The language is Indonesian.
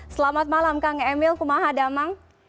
selamat malam kang emil kumaha damang